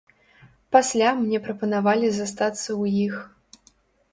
Пасля мне прапанавалі застацца ў іх.